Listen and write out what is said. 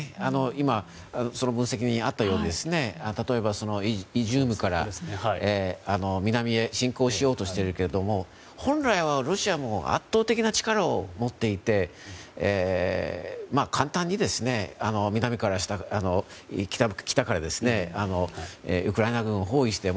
今、その分析にあったように例えばイジュームから南へ侵攻しようとしているけれども本来は、ロシアも圧倒的な力を持っていて簡単に北からウクライナ軍を包囲して